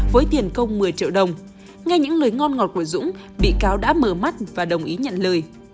với tiền công một mươi triệu đồng nghe những lời ngon ngọt của dũng bị cáo đã mở mắt và đồng ý nhận lời